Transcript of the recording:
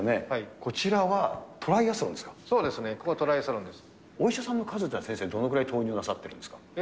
こちらはトライアそうですね、ここ、トライアお医者さんの数っていうのは先生、どのぐらい投入なさってるんですか。